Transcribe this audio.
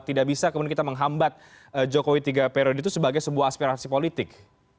tidak bisa kemudian kita menghambat jokowi tiga periode itu sebagai sebuah aspirasi politik